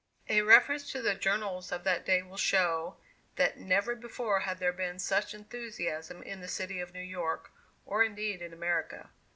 A reference to the journals of that day will show, that never before had there been such enthusiasm in the City of New York, or indeed in America.